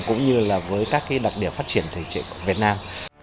các đặc điểm phát triển thị trường của việt nam